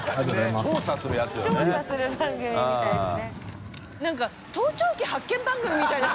調査する番組みたいですね。